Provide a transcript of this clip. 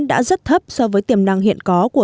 đã rất thấp so với tiềm năng hiện có